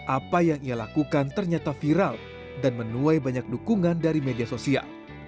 apa yang ia lakukan ternyata viral dan menuai banyak dukungan dari media sosial